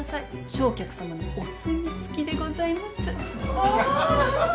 正客さまのお墨付きでございます。